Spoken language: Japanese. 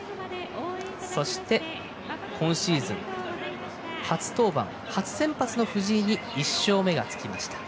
そして、今シーズン初登板初先発の藤井に１勝目がつきました。